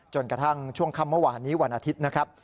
กระทั่งช่วงค่ำเมื่อวานนี้วันอาทิตย์นะครับ